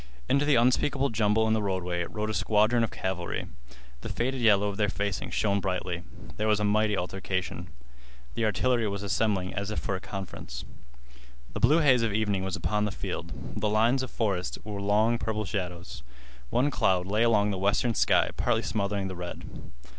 Into the unspeakable jumble in the roadway rode a squadron of cavalry. The faded yellow of their facings shone bravely. There was a mighty altercation. The artillery were assembling as if for a conference. The blue haze of evening was upon the field. The lines of forest were long purple shadows. One cloud lay along the western sky partly smothering the red.